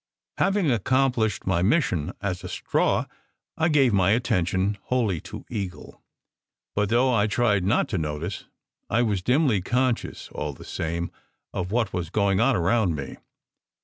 Having accomplished my mis sion as a straw, I gave my attention wholly to Eagle, but though I tried not to notice, I was dimly conscious, all the same, of what was going on around me.